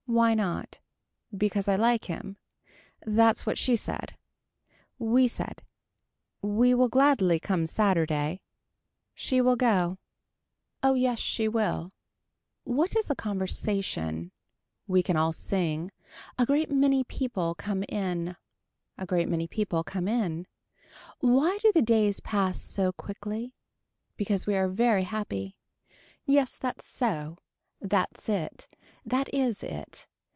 Why not. Because I like him. That's what she said. We said. We will gladly come Saturday. She will go. Oh yes she will. What is a conversation. We can all sing. A great many people come in. A great many people come in. Why do the days pass so quickly. Because we are very happy. Yes that's so. That's it. That is it.